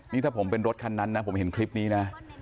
นี่ถ้าผมเป็นรถคันนั้นนะผมเห็นคลิปนี้นะ